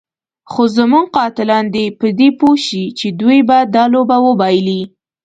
خو زموږ قاتلان دې په دې پوه شي چې دوی به دا لوبه وبایلي.